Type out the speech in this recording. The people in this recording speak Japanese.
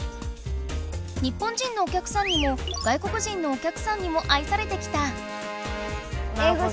日本人のおきゃくさんにも外国人のおきゃくさんにもあいされてきた。